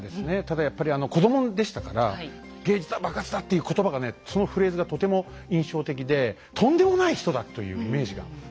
ただやっぱり子どもでしたから「芸術は爆発だ！」っていうことばがねそのフレーズがとても印象的でとんでもない人だというイメージがあります。